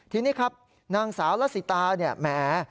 ทีนี้ครับนางสาวละศิตาแหม่